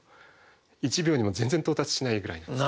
１秒にも全然到達しないぐらいなんですね。